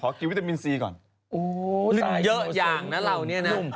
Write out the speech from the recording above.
ขอเกี๊ยววิตามินซีก่อนนุ่มเยอะอย่างนะเราเนี่ยนะ